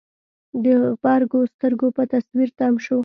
د غبرګو سترګو په تصوير تم شو.